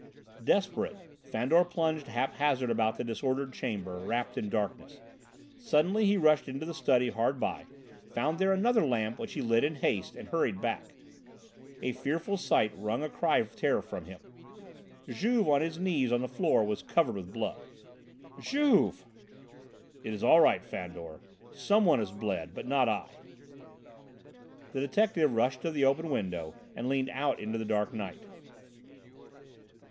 Desperate, Fandor plunged haphazard about the disordered chamber, wrapped in darkness. Suddenly, he rushed into the study hard by, found there another lamp which he lit in haste, and hurried back with it. A fearful sight wrung a cry of terror from him. Juve, on his knees on the floor, was covered with blood. "Juve!" "It's all right, Fandor. Some one has bled, but not I." The detective rushed to the open window and leaned out into the dark night.